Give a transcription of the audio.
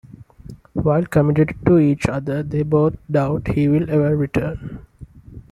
While committed to each other, they both doubt he will ever return.